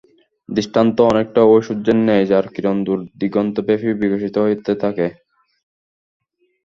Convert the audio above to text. দৃষ্টান্ত অনেকটা ঐ সূর্যের ন্যায় যার কিরণ দূর-দিগন্তব্যাপী বিকশিত হতে থাকে।